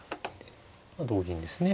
同銀ですね。